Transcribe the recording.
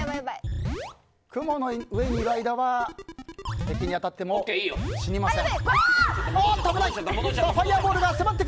雲の上にいる間は敵に当たっても死にません。